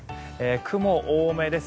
雲、多めです。